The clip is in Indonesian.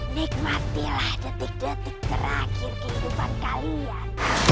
nikmatilah detik detik terakhir kehidupan kalian